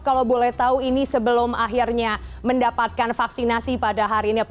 kalau boleh tahu ini sebelum akhirnya mendapatkan vaksinasi pada hari ini